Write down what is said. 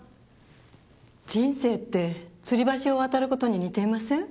人生ってつり橋を渡る事に似ていません？